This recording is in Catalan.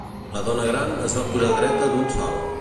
La dona gran es va posar dreta d'un salt.